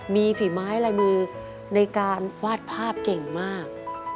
มีฝีไม้ลายมือในการวาดภาพเก่งมาก